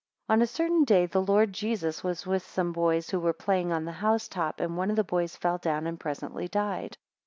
4 On a certain day the Lord Jesus was with some boys, who were playing on the house top, and one of the boys fell down, and presently died.